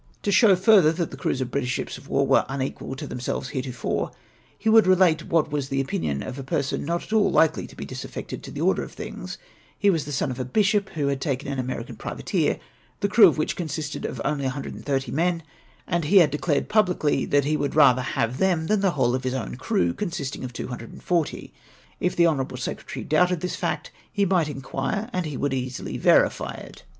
"To show farther that the crews of British ships of war were unequal to themselves heretofore, he would relate what was the opinion of a person not at all likely to be disaffected to the order of things — he was the son of a bishop, who had taken an American privateer, the crew of which consisted of only 130 men; and he had declared publicly, that he luoidd rather have them than the whole of Jtis oivn crew, consisting of 240. If the honourable secretary doubted this fact, he might inquire, and he would easily verify it.